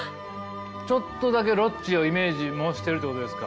ちょっとだけロッチをイメージもしてるってことですか？